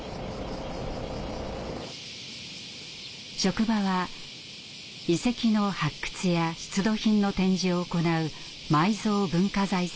職場は遺跡の発掘や出土品の展示を行う埋蔵文化財センター。